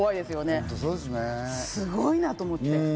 すごいなと思って。